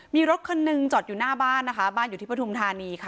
มีรถคันหนึ่งจอดอยู่หน้าบ้านนะคะบ้านอยู่ที่ปฐุมธานีค่ะ